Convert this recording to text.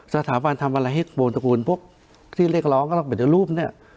สถาบันทำอะไรให้บนตระกูลพวกที่เรียกร้องก็ต้องปฏิรูปเนี่ย